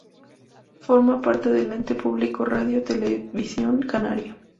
Forma parte del Ente Público Radio Televisión Canaria.